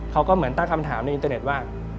เขาก็เหมือนตั้งคำถามในอินเตอร์เน็ตว่า